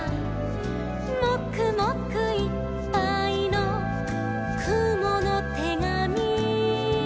「もくもくいっぱいのくものてがみ」